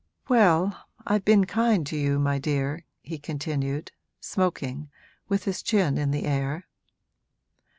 'Well, I've been kind to you, my dear,' he continued, smoking, with his chin in the air.